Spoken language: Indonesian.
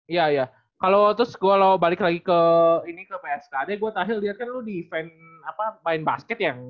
iya iya kalau terus gue balik lagi ke pskd gue terakhir liat kan lu di main basket yang satu satu satu